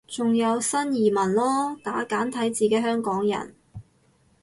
仲有新移民囉，打簡體字嘅香港人